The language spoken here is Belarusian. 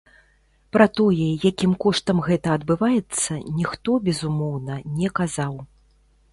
Пра тое, якім коштам гэта адбываецца, ніхто, безумоўна, не казаў.